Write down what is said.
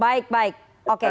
baik baik oke